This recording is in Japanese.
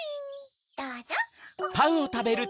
どうぞ。